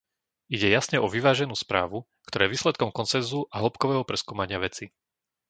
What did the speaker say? Ide jasne o vyváženú správu, ktorá je výsledkom konsenzu a hĺbkového preskúmania veci.